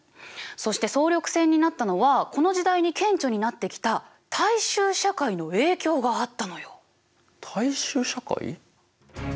そして総力戦になったのはこの時代に顕著になってきた大衆社会の影響があったのよ。